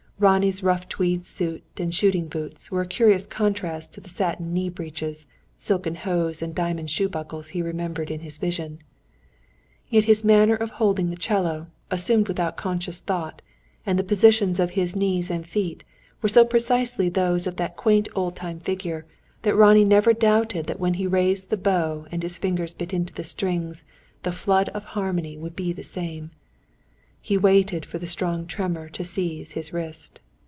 Ronnie's rough tweed suit and shooting boots, were a curious contrast to the satin knee breeches, silken hose, and diamond shoe buckles he remembered in his vision; yet his manner of holding the 'cello, assumed without conscious thought, and the positions of his knees and feet, were so precisely those of that quaint old time figure, that Ronnie never doubted that when he raised the bow and his fingers bit into the strings, the flood of harmony would be the same. He waited for the strong tremor to seize his wrist.